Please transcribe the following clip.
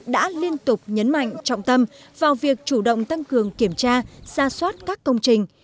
đã liên tục nhấn mạnh trọng tâm vào việc chủ động tăng cường kiểm tra ra soát các công trình